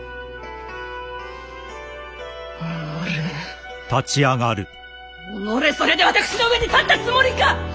おのれおのれそれで私の上に立ったつもりか！